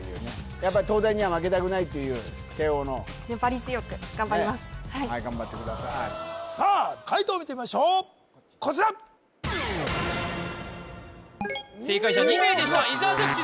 やっぱり東大には負けたくないという慶應のはい頑張ってくださいさあ解答を見てみましょうこちら正解者２名でした伊沢拓司